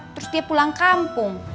terus dia pulang kampung